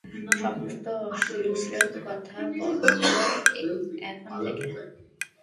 সমস্ত অশ্লীল কথা বন্ধ এখন থেকে।